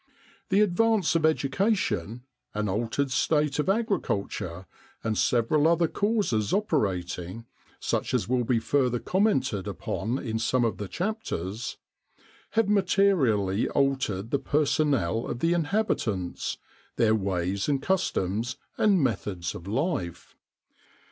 The advance of education, an altered state of agriculture, and several other causes operating such as will be further commented upon in some of the chap PREFACE. ters have materially altered the personnel of the inhabitants, their ways and customs, and methods of life.